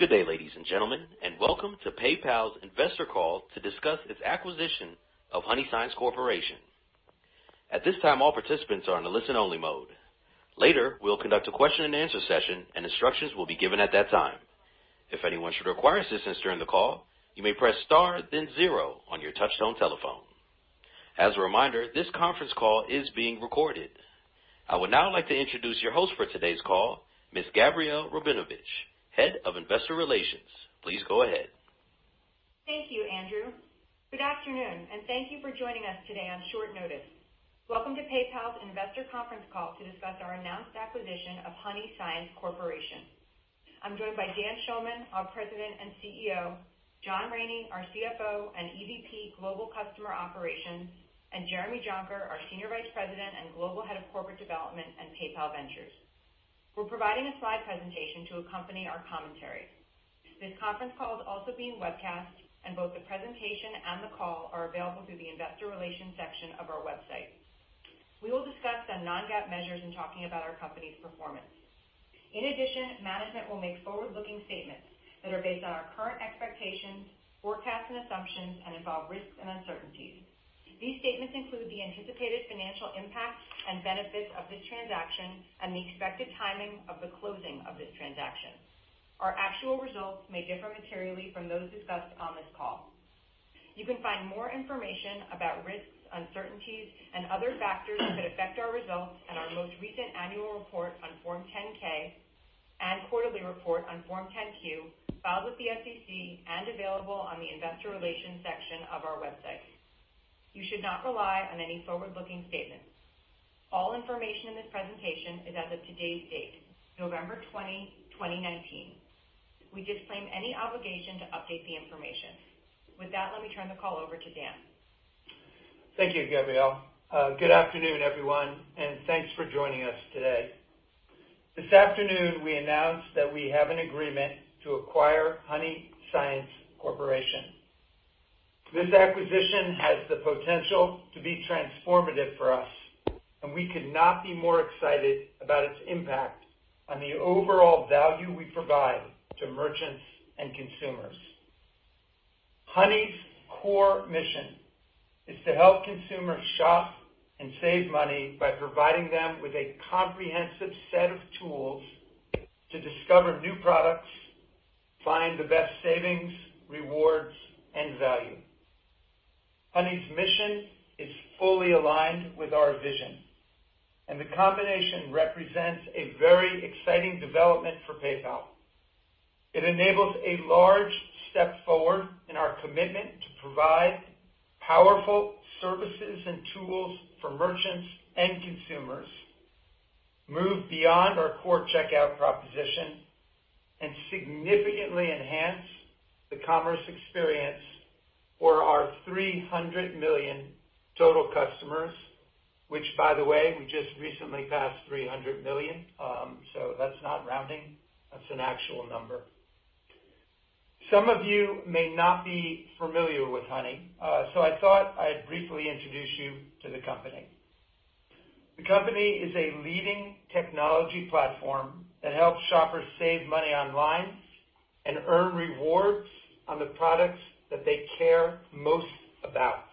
Good day, ladies and gentlemen, and welcome to PayPal's investor call to discuss its acquisition of Honey Science Corporation. At this time, all participants are in a listen-only mode. Later, we'll conduct a question and answer session, and instructions will be given at that time. If anyone should require assistance during the call, you may press star then zero on your touch-tone telephone. As a reminder, this conference call is being recorded. I would now like to introduce your host for today's call, Ms. Gabrielle Rabinovitch, Head of Investor Relations. Please go ahead. Thank you, Andrew. Good afternoon, thank you for joining us today on short notice. Welcome to PayPal's investor conference call to discuss our announced acquisition of Honey Science Corporation. I'm joined by Dan Schulman, our President and CEO, John Rainey, our CFO and EVP Global Customer Operations, and Jeremy Jonker, our Senior Vice President and Global Head of Corporate Development and PayPal Ventures. We're providing a slide presentation to accompany our commentary. This conference call is also being webcast, and both the presentation and the call are available through the Investor Relations section of our website. We will discuss some non-GAAP measures in talking about our company's performance. In addition, management will make forward-looking statements that are based on our current expectations, forecasts, and assumptions and involve risks and uncertainties. These statements include the anticipated financial impacts and benefits of this transaction and the expected timing of the closing of this transaction. Our actual results may differ materially from those discussed on this call. You can find more information about risks, uncertainties, and other factors that could affect our results at our most recent annual report on Form 10-K and quarterly report on Form 10-Q, filed with the SEC and available on the Investor Relations section of our website. You should not rely on any forward-looking statements. All information in this presentation is as of today's date, November 20, 2019. We disclaim any obligation to update the information. With that, let me turn the call over to Dan. Thank you, Gabrielle. Good afternoon, everyone, and thanks for joining us today. This afternoon, we announced that we have an agreement to acquire Honey Science Corporation. This acquisition has the potential to be transformative for us, and we could not be more excited about its impact on the overall value we provide to merchants and consumers. Honey's core mission is to help consumers shop and save money by providing them with a comprehensive set of tools to discover new products, find the best savings, rewards, and value. Honey's mission is fully aligned with our vision, and the combination represents a very exciting development for PayPal. It enables a large step forward in our commitment to provide powerful services and tools for merchants and consumers, move beyond our core checkout proposition, and significantly enhance the commerce experience for our $300 million total customers, which by the way, we just recently passed $300 million. That's not rounding, that's an actual number. Some of you may not be familiar with Honey, so I thought I'd briefly introduce you to the company. The company is a leading technology platform that helps shoppers save money online and earn rewards on the products that they care most about.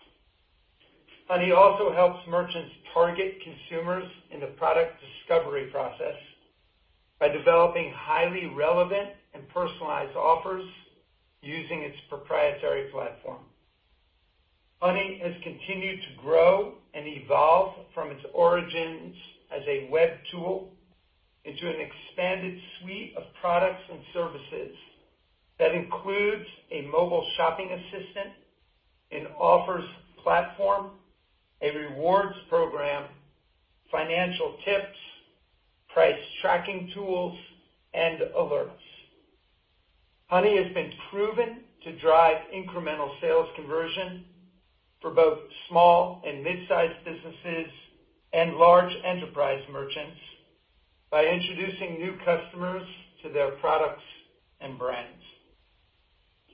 Honey also helps merchants target consumers in the product discovery process by developing highly relevant and personalized offers using its proprietary platform. Honey has continued to grow and evolve from its origins as a web tool into an expanded suite of products and services that includes a mobile shopping assistant, an offers platform, a rewards program, financial tips, price tracking tools, and alerts. Honey has been proven to drive incremental sales conversion for both small and mid-size businesses and large enterprise merchants by introducing new customers to their products and brands.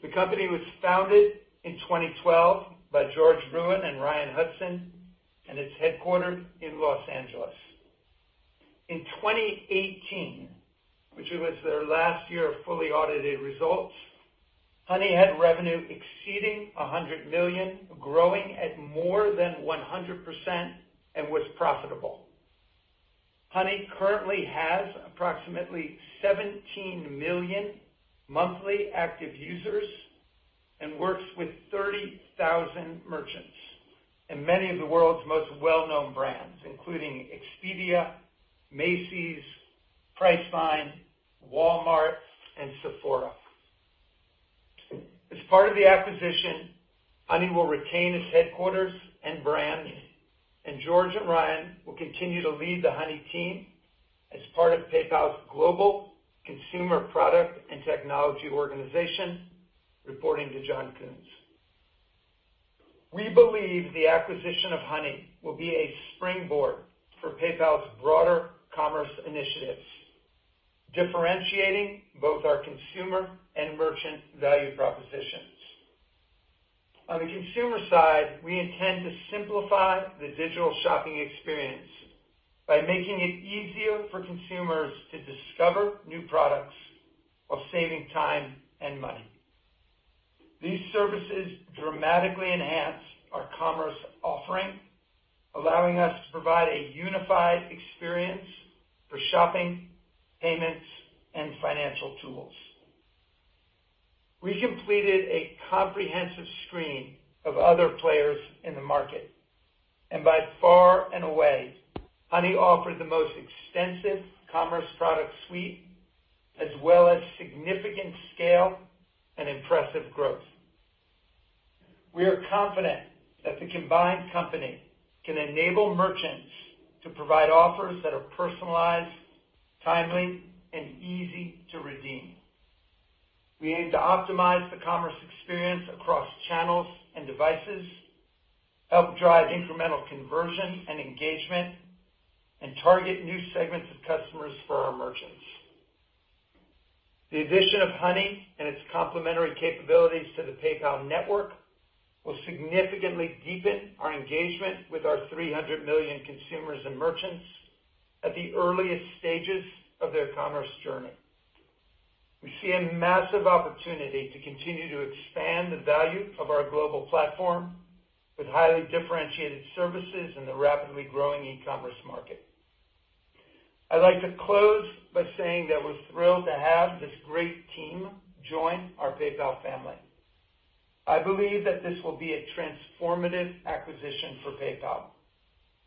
The company was founded in 2012 by George Ruan and Ryan Hudson and is headquartered in Los Angeles. In 2018, which was their last year of fully audited results, Honey had revenue exceeding $100 million, growing at more than 100%, and was profitable. Honey currently has approximately 17 million monthly active users and works with 30,000 merchants and many of the world's most well-known brands, including Expedia, Macy's, Priceline, Walmart, and Sephora. As part of the acquisition, Honey will retain its headquarters and brand, and George and Ryan will continue to lead the Honey team as part of PayPal's global consumer product and technology organization, reporting to John Kunze. We believe the acquisition of Honey will be a springboard for PayPal's broader commerce initiatives, differentiating both our consumer and merchant value propositions. On the consumer side, we intend to simplify the digital shopping experience by making it easier for consumers to discover new products while saving time and money. These services dramatically enhance our commerce offering, allowing us to provide a unified experience for shopping, payments, and financial tools. We completed a comprehensive screen of other players in the market, and by far and away, Honey offered the most extensive commerce product suite as well as significant scale and impressive growth. We are confident that the combined company can enable merchants to provide offers that are personalized, timely, and easy to redeem. We aim to optimize the commerce experience across channels and devices, help drive incremental conversion and engagement, and target new segments of customers for our merchants. The addition of Honey and its complementary capabilities to the PayPal network will significantly deepen our engagement with our 300 million consumers and merchants at the earliest stages of their commerce journey. We see a massive opportunity to continue to expand the value of our global platform with highly differentiated services in the rapidly growing e-commerce market. I'd like to close by saying that we're thrilled to have this great team join our PayPal family. I believe that this will be a transformative acquisition for PayPal,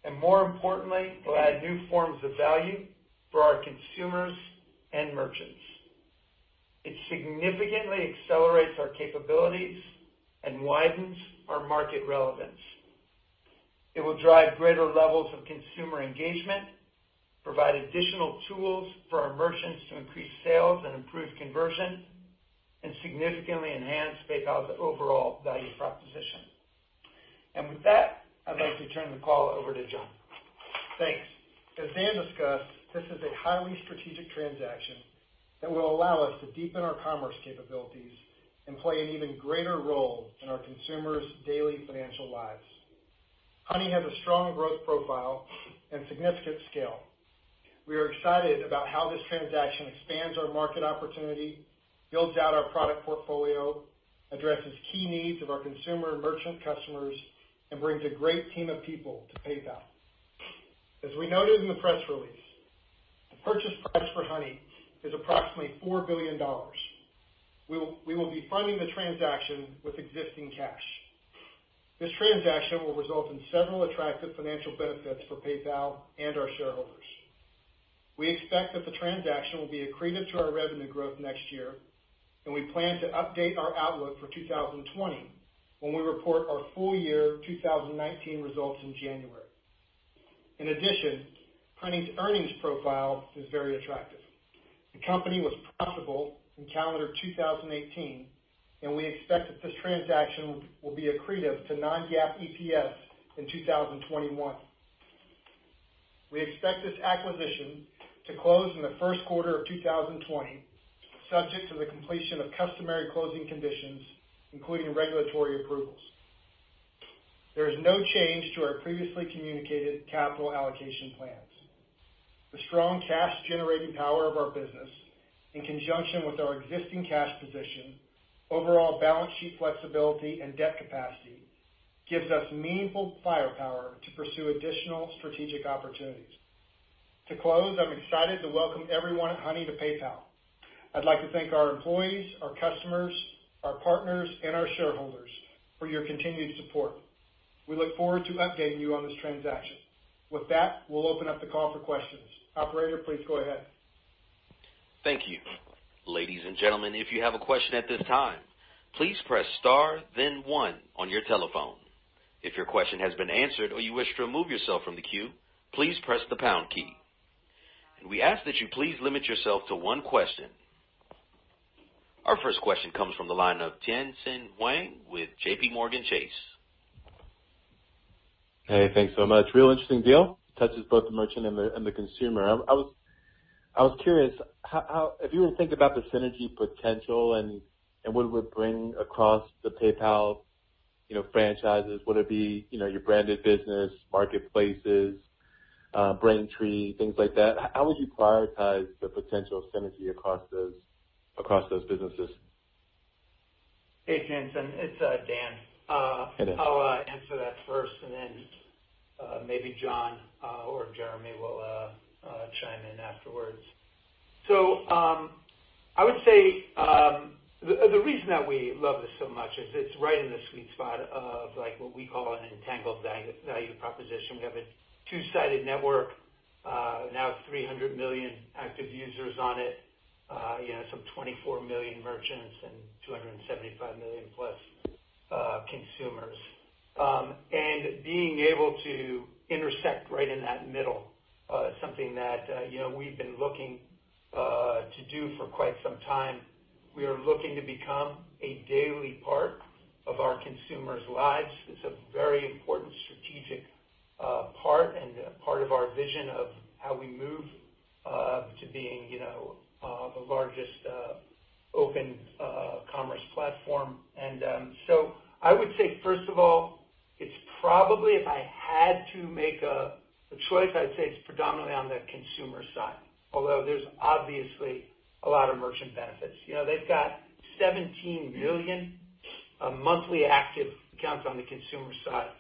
and more importantly, will add new forms of value for our consumers and merchants. It significantly accelerates our capabilities and widens our market relevance. It will drive greater levels of consumer engagement, provide additional tools for our merchants to increase sales and improve conversion, and significantly enhance PayPal's overall value proposition. With that, I'd like to turn the call over to John. Thanks. As Dan discussed, this is a highly strategic transaction that will allow us to deepen our commerce capabilities and play an even greater role in our consumers' daily financial lives. Honey has a strong growth profile and significant scale. We are excited about how this transaction expands our market opportunity, builds out our product portfolio, addresses key needs of our consumer and merchant customers, and brings a great team of people to PayPal. As we noted in the press release, the purchase price for Honey is approximately $4 billion. We will be funding the transaction with existing cash. This transaction will result in several attractive financial benefits for PayPal and our shareholders. We expect that the transaction will be accretive to our revenue growth next year, and we plan to update our outlook for 2020 when we report our full-year 2019 results in January. Honey's earnings profile is very attractive. The company was profitable in calendar 2018, and we expect that this transaction will be accretive to non-GAAP EPS in 2021. We expect this acquisition to close in the first quarter of 2020, subject to the completion of customary closing conditions, including regulatory approvals. There is no change to our previously communicated capital allocation plans. The strong cash-generating power of our business, in conjunction with our existing cash position, overall balance sheet flexibility, and debt capacity, gives us meaningful firepower to pursue additional strategic opportunities. To close, I'm excited to welcome everyone at Honey to PayPal. I'd like to thank our employees, our customers, our partners, and our shareholders for your continued support. We look forward to updating you on this transaction. We'll open up the call for questions. Operator, please go ahead. Thank you. Ladies and gentlemen, if you have a question at this time, please press star then one on your telephone. If your question has been answered or you wish to remove yourself from the queue, please press the pound key. We ask that you please limit yourself to one question. Our first question comes from the line of Tien-Tsin Huang with JPMorgan Chase. Hey, thanks so much. Real interesting deal. Touches both the merchant and the consumer. I was curious, if you were to think about the synergy potential and what it would bring across the PayPal franchises, would it be your branded business, marketplaces, Braintree, things like that? How would you prioritize the potential synergy across those businesses? Hey, Tien-Tsin, it's Dan. Hey, Dan. I'll answer that first, then maybe John or Jeremy will chime in afterwards. I would say the reason that we love this so much is it's right in the sweet spot of what we call an entangled value proposition. We have a two-sided network, now 300 million active users on it, some 24 million merchants and 275 million-plus consumers. Being able to intersect right in that middle is something that we've been looking to do for quite some time. We are looking to become a daily part of our consumers' lives. It's a very important strategic part and part of our vision of how we move to being the largest open commerce platform. I would say, first of all, it's probably, if I had to make a choice, I'd say it's predominantly on the consumer side, although there's obviously a lot of merchant benefits. They've got 17 billion monthly active accounts on the consumer side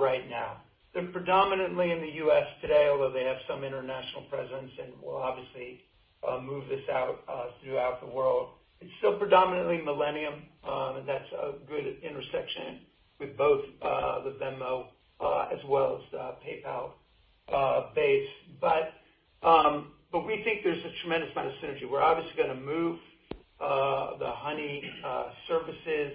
right now. They're predominantly in the U.S. today, although they have some international presence, and we'll obviously move this out throughout the world. It's still predominantly millennial, and that's a good intersection with both the Venmo as well as the PayPal base. We think there's a tremendous amount of synergy. We're obviously going to move the Honey services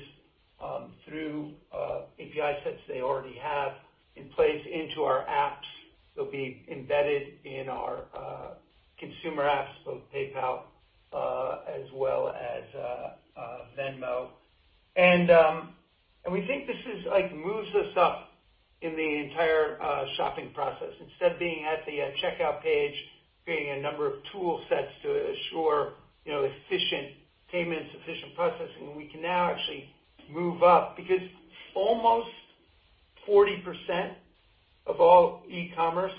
through API sets they already have in place into our apps. They'll be embedded in our consumer apps, both PayPal as well as Venmo. We think this moves us up in the entire shopping process. Instead of being at the checkout page, creating a number of tool sets to assure efficient payments, efficient processing, we can now actually move up because almost 40% of all e-commerce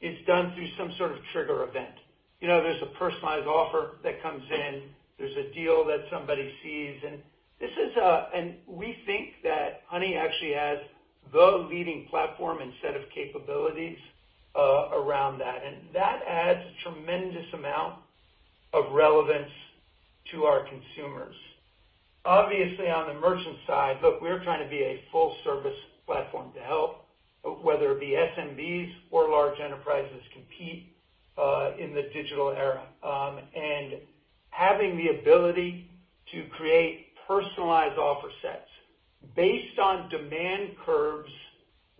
is done through some sort of trigger event. There's a personalized offer that comes in, there's a deal that somebody sees. We think that Honey actually has the leading platform and set of capabilities around that. That adds a tremendous amount of relevance to our consumers. Obviously, on the merchant side, look, we're trying to be a full-service platform to help whether it be SMBs or large enterprises compete in the digital era, having the ability to create personalized offer sets based on demand curves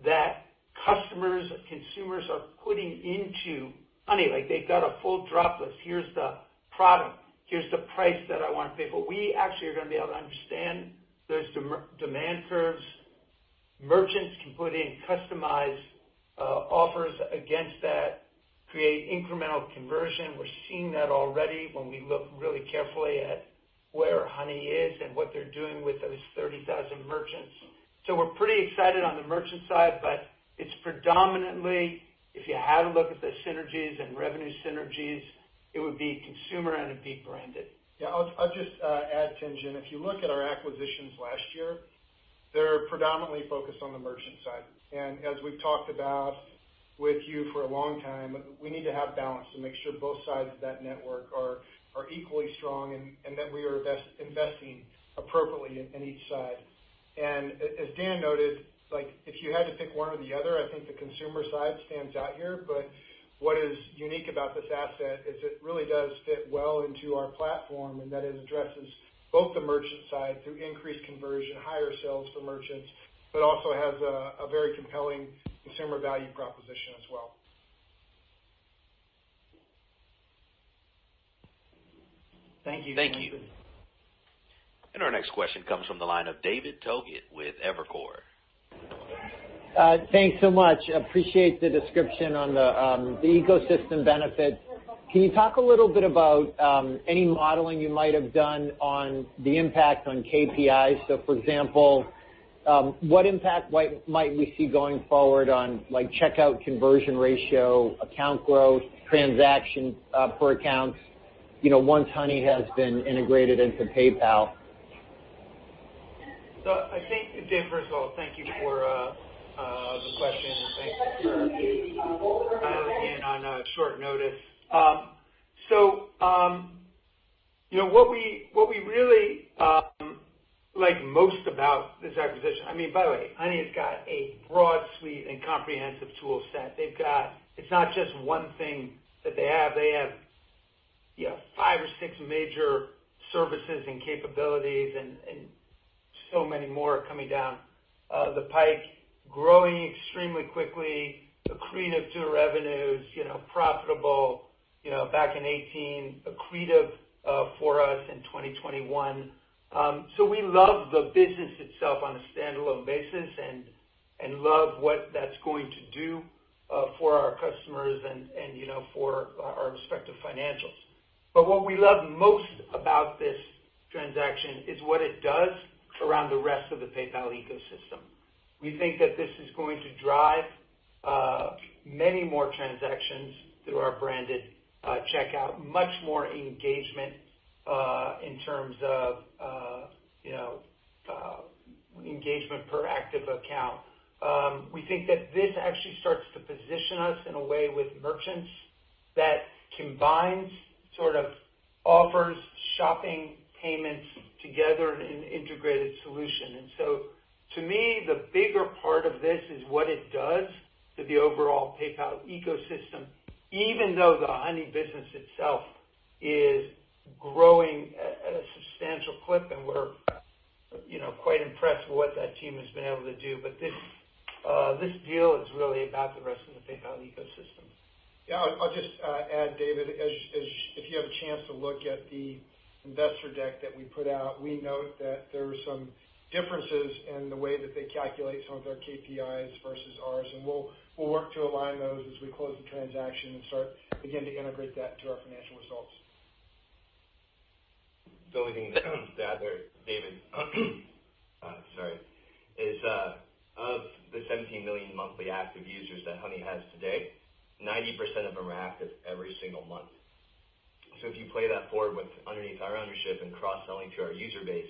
that customers, consumers are putting into Honey. They've got a full drop list. Here's the product, here's the price that I want to pay for. We actually are going to be able to understand those demand curves. Merchants can put in customized offers against that, create incremental conversion. We're seeing that already when we look really carefully at where Honey is and what they're doing with those 30,000 merchants. We're pretty excited on the merchant side, but it's predominantly, if you had to look at the synergies and revenue synergies, it would be consumer and it'd be branded. I'll just add, Tien-Tsin. If you look at our acquisitions last year, they're predominantly focused on the merchant side. As we've talked about with you for a long time, we need to have balance to make sure both sides of that network are equally strong and that we are investing appropriately in each side. As Dan noted, if you had to pick one or the other, I think the consumer side stands out here. What is unique about this asset is it really does fit well into our platform, and that it addresses both the merchant side through increased conversion, higher sales for merchants, but also has a very compelling consumer value proposition as well. Thank you. Thank you. Our next question comes from the line of David Togut with Evercore. Thanks so much. Appreciate the description on the ecosystem benefit. Can you talk a little bit about any modeling you might have done on the impact on KPIs? For example, what impact might we see going forward on checkout conversion ratio, account growth, transactions per accounts, once Honey has been integrated into PayPal? I think, Dave, first of all, thank you for the question, and thanks for dialing in on short notice. What we really like most about this acquisition. By the way, Honey has got a broad suite and comprehensive tool set. It's not just one thing that they have. They have five or six major services and capabilities and so many more coming down the pipe, growing extremely quickly, accretive to revenues, profitable back in 2018, accretive for us in 2021. We love the business itself on a standalone basis and love what that's going to do for our customers and for our respective financials. What we love most about this transaction is what it does around the rest of the PayPal ecosystem. We think that this is going to drive many more transactions through our branded checkout, much more engagement in terms of engagement per active account. We think that this actually starts to position us in a way with merchants that combines sort of offers shopping payments together in an integrated solution. To me, the bigger part of this is what it does to the overall PayPal ecosystem, even though the Honey business itself is growing at a substantial clip, and I'm quite impressed with what that team has been able to do. This deal is really about the rest of the PayPal ecosystem. I'll just add, David, if you have a chance to look at the investor deck that we put out, we note that there were some differences in the way that they calculate some of their KPIs versus ours, and we'll work to align those as we close the transaction and begin to integrate that to our financial results. The only thing to add there, David, sorry, is of the 17 million monthly active users that Honey has today, 90% of them are active every single month. If you play that forward underneath our ownership and cross-selling to our user base,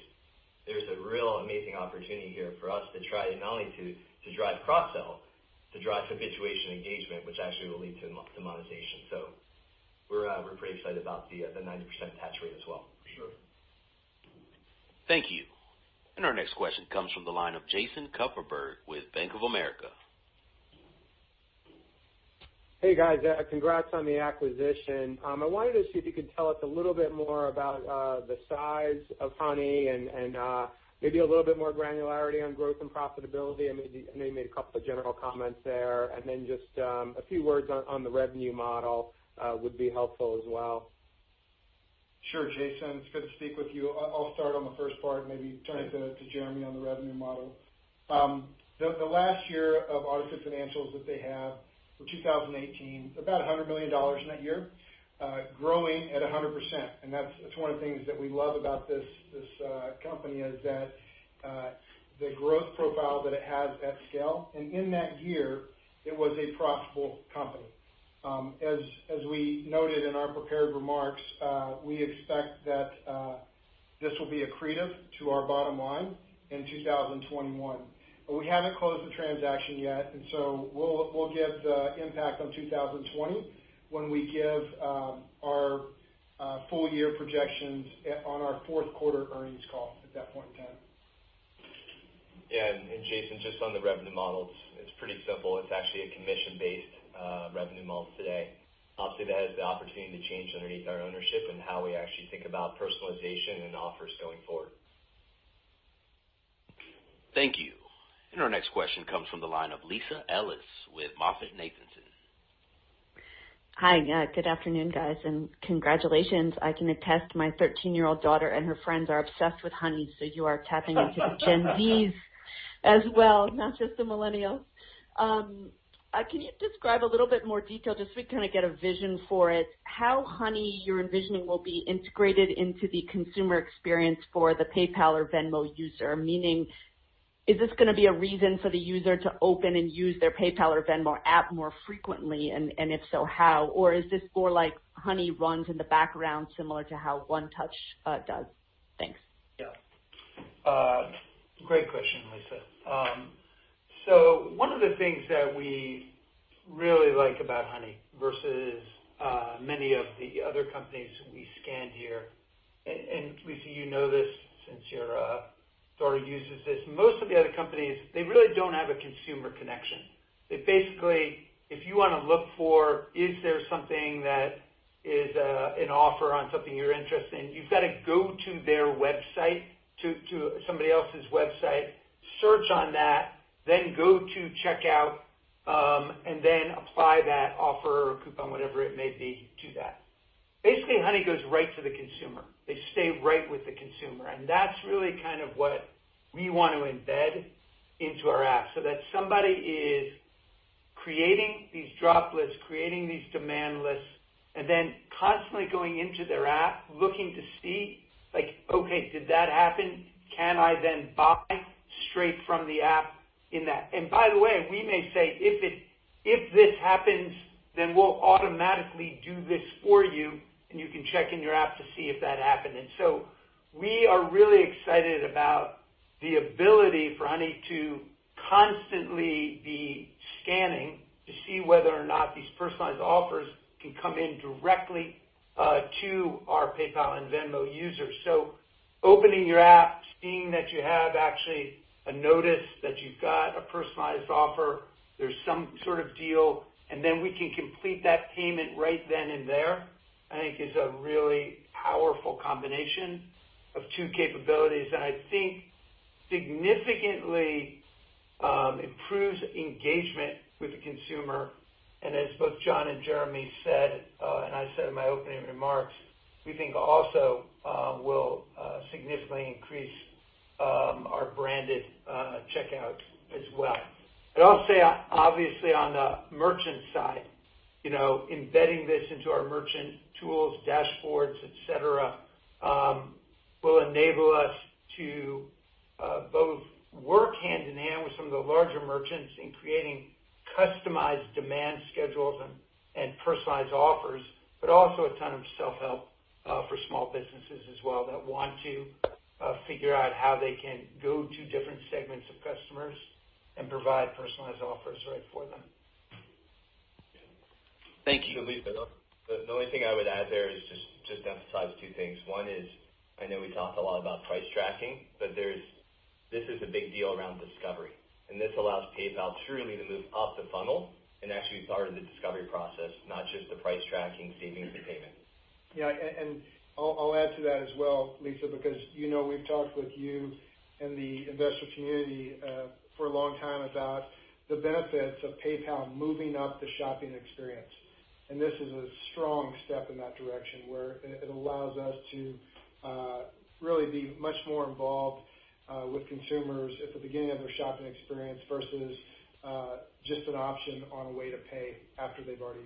there's a real amazing opportunity here for us to try not only to drive cross-sell, to drive habituation engagement, which actually will lead to monetization. We're pretty excited about the 90% attach rate as well. Sure. Thank you. Our next question comes from the line of Jason Kupferberg with Bank of America. Hey, guys. Congrats on the acquisition. I wanted to see if you could tell us a little bit more about the size of Honey and maybe a little bit more granularity on growth and profitability, and maybe a couple of general comments there, and then just a few words on the revenue model would be helpful as well. Sure, Jason. It's good to speak with you. I'll start on the first part, maybe turn it to Jeremy on the revenue model. The last year of audited financials that they have for 2018, about $100 million in that year, growing at 100%. That's one of the things that we love about this company, is that the growth profile that it has at scale. In that year, it was a profitable company. As we noted in our prepared remarks, we expect that this will be accretive to our bottom line in 2021. We haven't closed the transaction yet, and so we'll give the impact on 2020 when we give our full-year projections on our fourth quarter earnings call at that point in time. Yeah. Jason, just on the revenue model, it's pretty simple. It's actually a commission-based revenue model today. Obviously, that has the opportunity to change underneath our ownership and how we actually think about personalization and offers going forward. Thank you. Our next question comes from the line of Lisa Ellis with MoffettNathanson. Hi. Good afternoon, guys, congratulations. I can attest my 13-year-old daughter and her friends are obsessed with Honey, you are tapping into the Gen Z's as well, not just the millennials. Can you describe a little bit more detail, just so we get a vision for it, how Honey you're envisioning will be integrated into the consumer experience for the PayPal or Venmo user? Meaning, is this gonna be a reason for the user to open and use their PayPal or Venmo app more frequently, and if so, how? Is this more like Honey runs in the background similar to how One Touch does? Thanks. Yeah. Great question, Lisa. One of the things that we really like about Honey versus many of the other companies we scanned here, and Lisa, you know this since your daughter uses this. Most of the other companies, they really don't have a consumer connection. They basically, if you want to look for, is there something that is an offer on something you're interested in, you've got to go to their website, to somebody else's website, search on that, then go to checkout, and then apply that offer or coupon, whatever it may be, to that. Basically, Honey goes right to the consumer. They stay right with the consumer. That's really what we want to embed into our app, so that somebody is creating these drop lists, creating these demand lists, and then constantly going into their app, looking to see, like, okay, did that happen? Can I then buy straight from the app in that? By the way, we may say, if this happens, then we'll automatically do this for you, and you can check in your app to see if that happened. We are really excited about the ability for Honey to constantly be scanning to see whether or not these personalized offers can come in directly to our PayPal and Venmo users. Opening your app, seeing that you've actually a notice that you've got a personalized offer, there's some sort of deal, and then we can complete that payment right then and there, I think is a really powerful combination of two capabilities, and I think significantly improves engagement with the consumer. As both John and Jeremy said, and I said in my opening remarks, we think also will significantly increase our branded checkout as well. I'll say, obviously, on the merchant side, embedding this into our merchant tools, dashboards, et cetera, will enable us to both work hand in hand with some of the larger merchants in creating customized demand schedules and personalized offers, also a ton of self-help for small businesses as well that want to figure out how they can go to different segments of customers and provide personalized offers right for them. Thank you. The only thing I would add there is just emphasize two things. One is, I know we talked a lot about price tracking, but this is a big deal around discovery, and this allows PayPal truly to move up the funnel and actually start in the discovery process, not just the price tracking, savings, and payment. Yeah, I'll add to that as well, Lisa, because we've talked with you and the investor community for a long time about the benefits of PayPal moving up the shopping experience. This is a strong step in that direction, where it allows us to really be much more involved with consumers at the beginning of their shopping experience versus just an option on a way to pay after they've already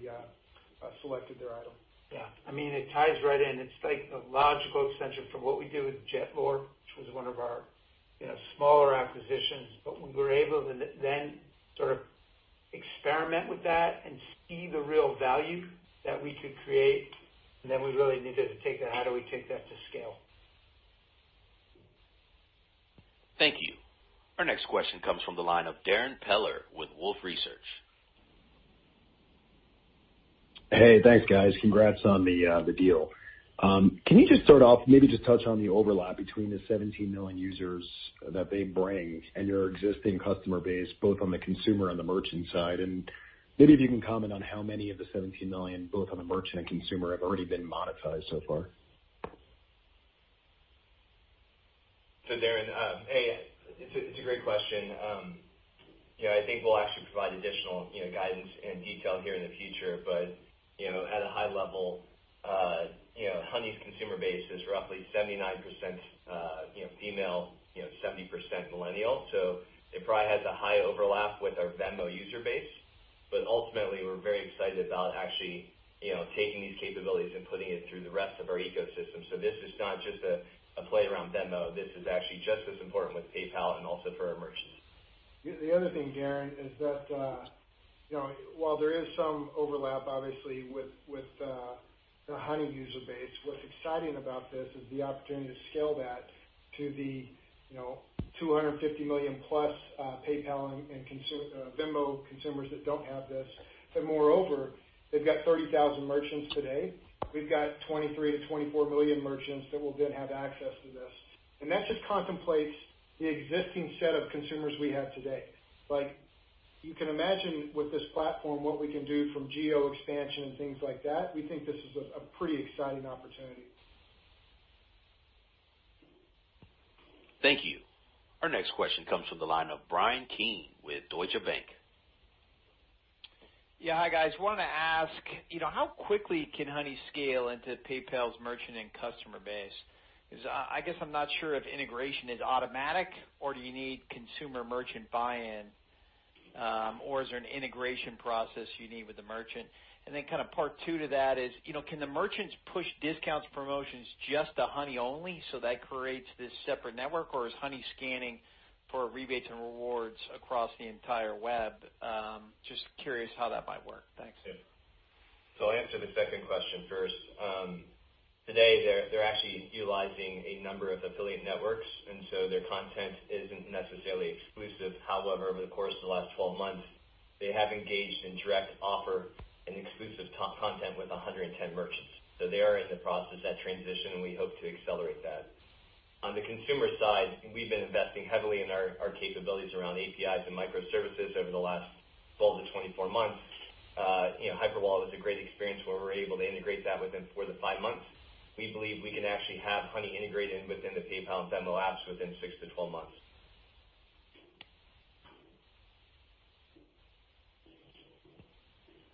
selected their item. Yeah. It ties right in. It is like a logical extension from what we do with Jetlore, which was one of our smaller acquisitions. When we were able to then sort of experiment with that and see the real value that we could create, and then we really needed to take that, how do we take that to scale? Thank you. Our next question comes from the line of Darrin Peller with Wolfe Research. Hey, thanks, guys. Congrats on the deal. Can you just start off, maybe just touch on the overlap between the 17 million users that they bring and your existing customer base, both on the consumer and the merchant side? Maybe if you can comment on how many of the 17 million, both on the merchant and consumer, have already been monetized so far. Darrin, hey, it's a great question. I think we'll actually provide additional guidance and detail here in the future. At a high level, Honey's consumer base is roughly 79% female, 70% millennial. It probably has a high overlap with our Venmo user base. Ultimately, we're very excited about actually taking these capabilities and putting it through the rest of our ecosystem. This is not just a play around Venmo. This is actually just as important with PayPal and also for our merchants. The other thing, Darrin, is that while there is some overlap, obviously, with the Honey user base, what's exciting about this is the opportunity to scale that to the 250 million-plus PayPal and Venmo consumers that don't have this. Moreover, they've got 30,000 merchants today. We've got 23 million-24 million merchants that will then have access to this. That just contemplates the existing set of consumers we have today. You can imagine with this platform what we can do from geo-expansion and things like that. We think this is a pretty exciting opportunity. Thank you. Our next question comes from the line of Bryan Keane with Deutsche Bank. Hi, guys. Wanted to ask, how quickly can Honey scale into PayPal's merchant and customer base? I guess I'm not sure if integration is automatic, or do you need consumer merchant buy-in, or is there an integration process you need with the merchant? Part two to that is, can the merchants push discounts promotions just to Honey only, so that creates this separate network, or is Honey scanning for rebates and rewards across the entire web? Curious how that might work. Thanks. I'll answer the second question first. Today, they're actually utilizing a number of affiliate networks, their content isn't necessarily exclusive. However, over the course of the last 12 months, they have engaged in direct offer and exclusive content with 110 merchants. They are in the process, that transition, and we hope to accelerate that. On the consumer side, we've been investing heavily in our capabilities around APIs and microservices over the last 12-24 months. Hyperwallet was a great experience where we were able to integrate that within four to five months. We believe we can actually have Honey integrated within the PayPal and Venmo apps within 6-12 months.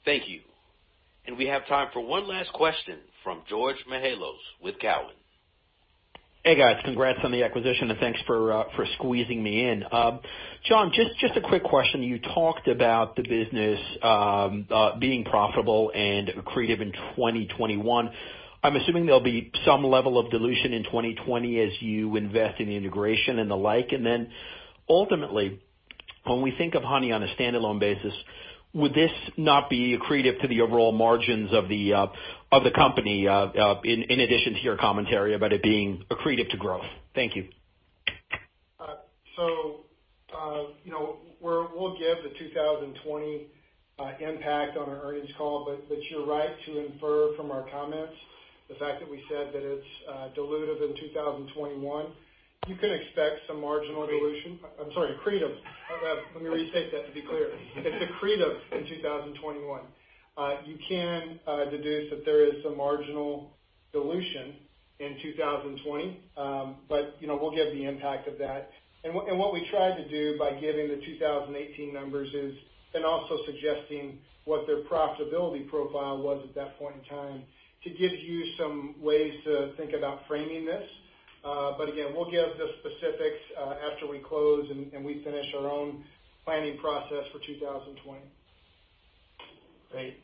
Thank you. We have time for one last question from George Mihalos with Cowen. Hey, guys. Congrats on the acquisition. Thanks for squeezing me in. John, just a quick question. You talked about the business being profitable and accretive in 2021. I'm assuming there'll be some level of dilution in 2020 as you invest in the integration and the like. Ultimately, when we think of Honey on a standalone basis, would this not be accretive to the overall margins of the company in addition to your commentary about it being accretive to growth? Thank you. We'll give the 2020 impact on our earnings call, but you're right to infer from our comments the fact that we said that it's dilutive in 2021. You can expect some marginal dilution. I'm sorry, accretive. Let me restate that to be clear. It's accretive in 2021. You can deduce that there is some marginal dilution in 2020. We'll give the impact of that. What we tried to do by giving the 2018 numbers is, and also suggesting what their profitability profile was at that point in time, to give you some ways to think about framing this. Again, we'll give the specifics after we close and we finish our own planning process for 2020. Great.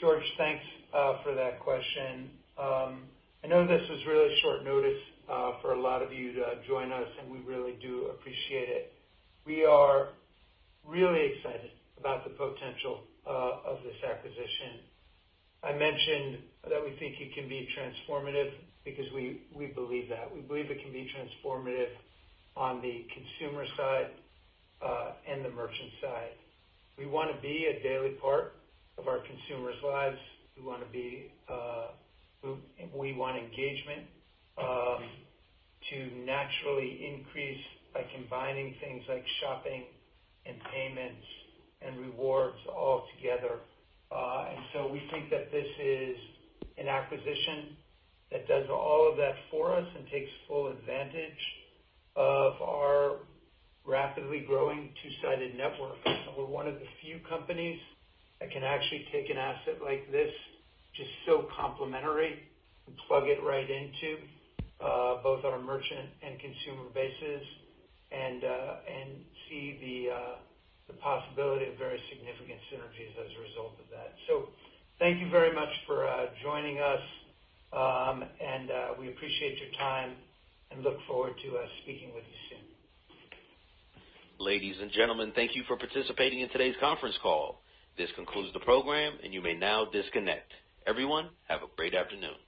George, thanks for that question. I know this was really short notice for a lot of you to join us, and we really do appreciate it. We are really excited about the potential of this acquisition. I mentioned that we think it can be transformative because we believe that. We believe it can be transformative on the consumer side and the merchant side. We want to be a daily part of our consumers' lives. We want engagement to naturally increase by combining things like shopping and payments and rewards all together. We think that this is an acquisition that does all of that for us and takes full advantage of our rapidly growing two-sided network. We're one of the few companies that can actually take an asset like this, which is so complementary, and plug it right into both our merchant and consumer bases and see the possibility of very significant synergies as a result of that. Thank you very much for joining us, and we appreciate your time and look forward to speaking with you soon. Ladies and gentlemen, thank you for participating in today's conference call. This concludes the program, and you may now disconnect. Everyone, have a great afternoon.